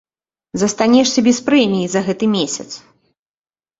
Застанешся без прэміі за гэты месяц!